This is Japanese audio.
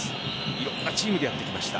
いろんなチームでやってきました